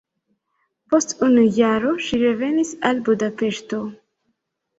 Post unu jaro ŝi revenis al Budapeŝto.